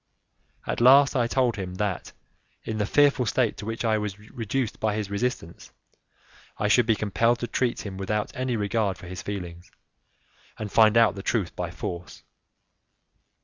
At last I told him that, in the fearful state to which I was reduced by his resistance, I should be compelled to treat him without any regard for his feelings, and find out the truth by force.